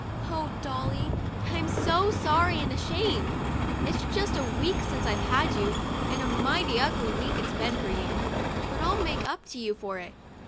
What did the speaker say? Oh, Dolly, I'm so sorry and ashamed ! It's just a week since I've had you, and a mighty ugly week it's been for you ; but I'll make up to you for it.